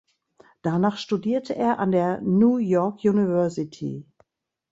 Danach studierte er an der New York University.